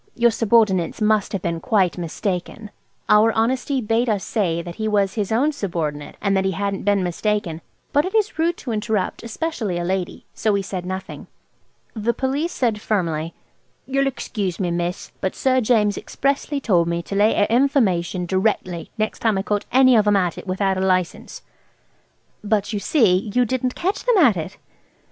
Your subordinates must have been quite mistaken." Our honesty bade us say that he was his own subordinate, and that he hadn't been mistaken; but it is rude to interrupt, especially a lady, so we said nothing. The Police said firmly, "you'll excuse me, miss, but Sir James expressly told me to lay a information directly next time I caught any of 'em at it without a license." "But, you see, you didn't catch them at it."